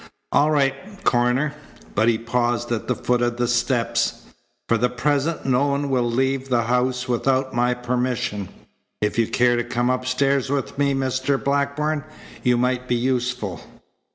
All right, Coroner." But he paused at the foot of the steps. "For the present no one will leave the house without my permission. If you care to come upstairs with me, Mr. Blackburn, you might be useful."